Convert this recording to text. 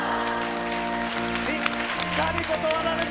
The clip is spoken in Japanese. しっかり断られた。